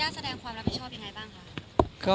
ทางญาติแสดงความรับผิดชอบยังไงบ้างครับ